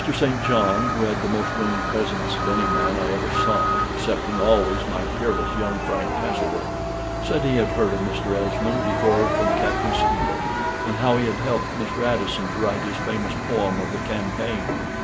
St. John (who had the most winning presence of any man I ever saw, excepting always my peerless young Frank Castlewood) said he had heard of Mr. Esmond before from Captain Steele, and how he had helped Mr. Addison to write his famous poem of the "Campaign."